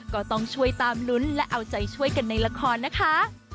ก็ต้องช่วยตามลุ้นและเอาใจช่วยกันในละครนะคะ